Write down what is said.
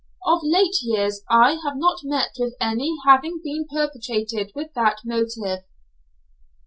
Of late years I have not met with any having been perpetrated with that motive.